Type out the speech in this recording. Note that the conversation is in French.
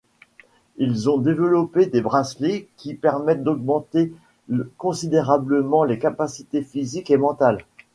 Ils ont développé des bracelets qui permettent d'augmenter considérablement les capacités physiques et mentales.